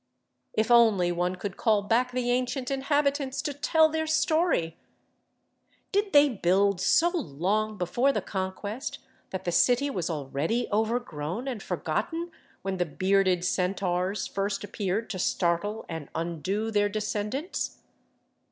If only one could call back the ancient inhabitants to tell their story ! Did they build so long before the Con quest that the city was already overgrown and forgotten when the bearded centaurs first appeared to startle and undo their descendants?